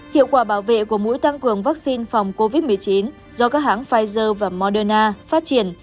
hiệu quả bảo vệ của mũi tăng cường vaccine phòng covid một mươi chín do các hãng pfizer và moderna phát triển